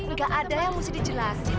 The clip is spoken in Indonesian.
nggak ada yang mesti dijelasin